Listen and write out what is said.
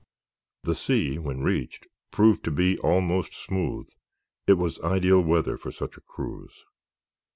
The sea, when reached, proved to be almost smooth. It was ideal weather for such a cruise.